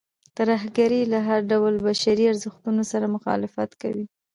ترهګرۍ له هر ډول بشري ارزښتونو سره مخالفت کوي.